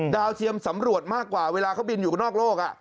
เทียมสำรวจมากกว่าเวลาเขาบินอยู่นอกโลก